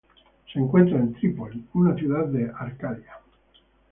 Se encuentra en Trípoli, una ciudad de Arcadia.